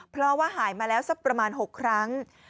เพราะว่าหายมาแล้วสักประมาณ๖ครั้ง